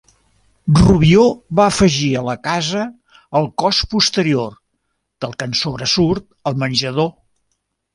Rubió va afegir a la casa el cos posterior, del que en sobresurt el menjador.